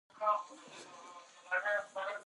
د افغانستان جغرافیه کې سیلابونه ستر اهمیت لري.